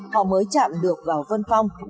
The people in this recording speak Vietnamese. họ mới chạm được vào vân phong